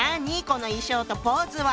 この衣装とポーズは。